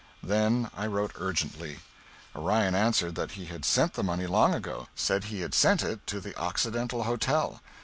Then I wrote urgently. Orion answered that he had sent the money long ago said he had sent it to the Occidental Hotel.